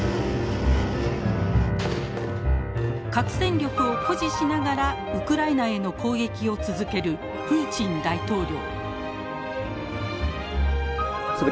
核戦力を誇示しながらウクライナへの攻撃を続けるプーチン大統領。